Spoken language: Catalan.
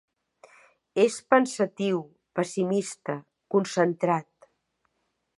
És pensatiu, pessimista, concentrat.